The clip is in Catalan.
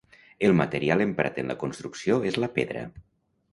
El material emprat en la construcció és la pedra.